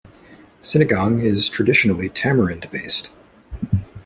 Sinigang is traditionally tamarind-based.